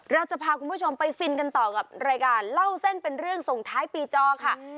เราจะพาคุณผู้ชมไปฟินกันต่อกับรายการเล่าเส้นเป็นเรื่องส่งท้ายปีจอค่ะ